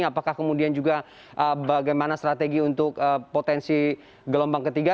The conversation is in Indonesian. apakah kemudian juga bagaimana strategi untuk potensi gelombang ketiga